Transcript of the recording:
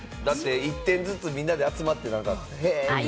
１点ずつ、みんなで集まって、イエイ！